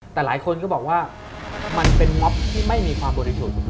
แต่หลายคนก็บอกว่ามันเป็นม็อบที่ไม่มีความบริสุทธิ์